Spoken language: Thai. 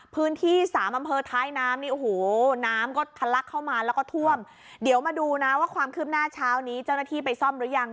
พื้นที่สามอำเภอท้ายน้ำนี่โอ้โหน้ำก็ทะลักเข้ามาแล้วก็ท่วมเดี๋ยวมาดูนะว่าความคืบหน้าเช้านี้เจ้าหน้าที่ไปซ่อมหรือยัง